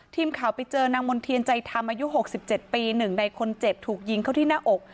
ทีมข่าวไปเจอนางมณ์เทียนใจธรรมอายุ๖๗ปี๑ในคนเจ็บถูกยิงเข้าที่หน้าอก